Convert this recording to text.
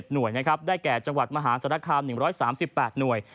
หน่วยนะครับได้แก่จังหวัดมหาศาลคาม๑๓๘หน่วย